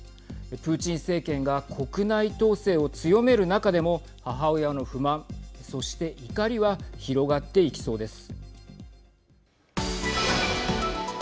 プーチン政権が国内統制を強める中でも母親の不満、そして怒りは広がっていきそうです。